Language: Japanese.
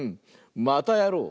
またやろう！